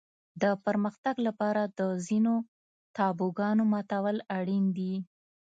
د پرمختګ لپاره د ځینو تابوګانو ماتول اړین دي.